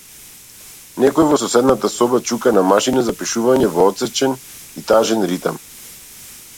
Некој во соседната соба чука на машина за пишување во отсечен и тажен ритам.